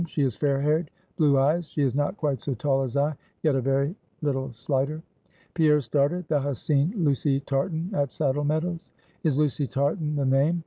She is fair haired blue eyes she is not quite so tall as I, yet a very little slighter." Pierre started. "Thou hast seen Lucy Tartan, at Saddle Meadows?" "Is Lucy Tartan the name?